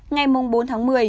ngày bốn tháng một mươi